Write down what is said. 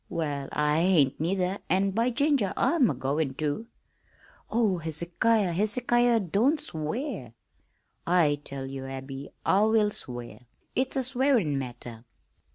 "Well, I hain't neither, an', by ginger, I'm agoin' to!" "Oh, Hezekiah, Hezekiah, don't swear!" "I tell ye, Abby, I will swear. It's a swearin' matter.